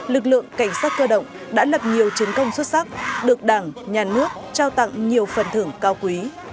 lực lượng cảnh sát cơ động đã lập nhiều chiến công xuất sắc được đảng nhà nước trao tặng nhiều phần thưởng cao quý